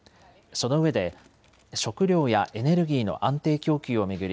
そのうえで食料やエネルギーの安定供給を巡り